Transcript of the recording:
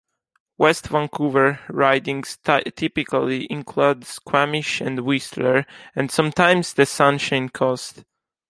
West Vancouver ridings typically include Squamish and Whistler, and sometimes the Sunshine Coast.